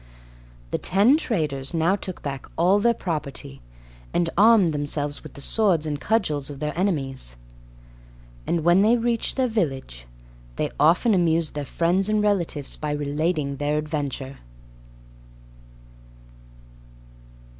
The ten traders now took back all their property, and armed themselves with the swords and cudgels of their enemies; and when they reached their village, they often amused their friends and relatives by relating their adventure.